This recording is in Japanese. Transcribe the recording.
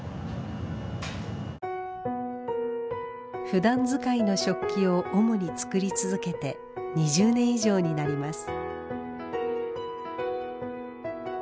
ふだんづかいの食器を主に作り続けて２０年以上になります。